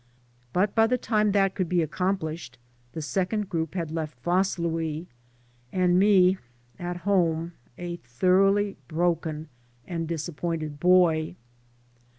But by the time that could be accomplished the second group had left Vaslui, and me at home, a thoroughly broken and disappointed boy.